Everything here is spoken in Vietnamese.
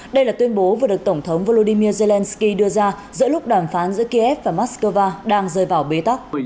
đây là tuyên bố vừa được tổng thống volodymyr zelensky đưa ra giữa lúc đàm phán giữa kiev và moscow đang rơi vào bế tắc